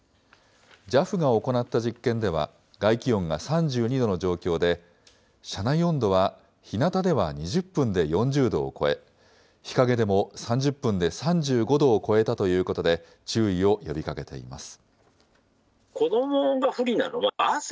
ＪＡＦが行った実験では、外気温が３２度の状況で、車内温度はひなたでは２０分で４０度を超え、日陰でも３０分で３５度を超えたということで、注意を呼びかけています。